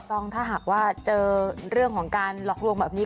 ต้องถ้าหากว่าเจอเรื่องของการหลอกลวงแบบนี้